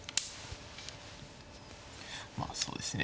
まあそうですね